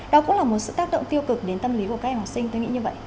đó cũng là một sự tác động tiêu cực đến tâm lý của các em học sinh tôi nghĩ như vậy